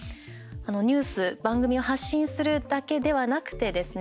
ニュース、番組を発信するだけではなくてですね